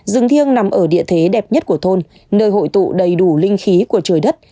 rừng thiêng nằm ở địa thế đẹp nhất của thôn nơi hội tụ đầy đủ linh khí của trời đất